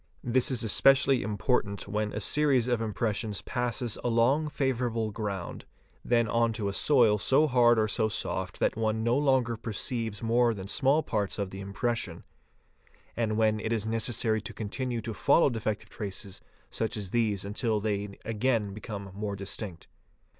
This is especially important when a series of impressions passes along favourable ground, then on to a soil so hard or so soft that one no longer perceives more than small parts of the impression, and when it is neces sary to continue to follow defective traces such as these until they again become more distinct.